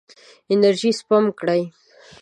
انرژي سپم کړئ.